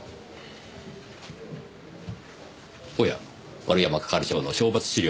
おや丸山係長の賞罰資料ですね？